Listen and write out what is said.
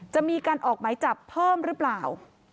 จะมีการออกหมายจับเพิ่มหรือเปล่า